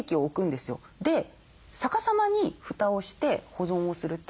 で逆さまに蓋をして保存をすると。